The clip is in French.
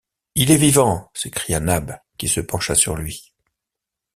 Il est vivant! s’écria Nab, qui se pencha sur lui.